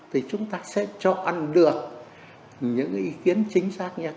thì chúng ta sẽ chọn ăn được những ý kiến chính xác nhất